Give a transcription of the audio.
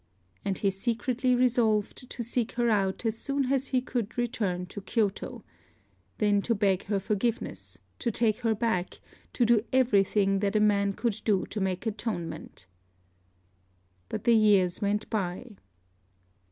And he secretly resolved to seek her out as soon as he could return to Kyôto, then to beg her forgiveness, to take her back, to do everything that a man could do to make atonement. But the years went by.